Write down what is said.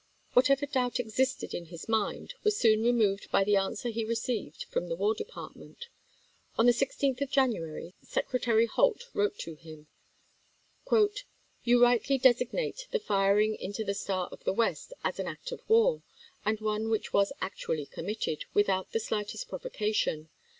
Whatever doubt existed in his mind was soon removed by the answer he received from the War Department. On the 16th of January, Secretary Holt wrote to him: "You rightly designate the firing into the Star of the West as * an act of war,' and one which was actually committed without the slightest provocation.